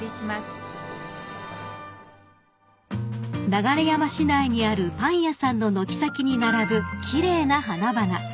［流山市内にあるパン屋さんの軒先に並ぶ奇麗な花々］